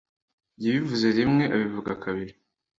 yabivuze rimwe, abivuga kabiri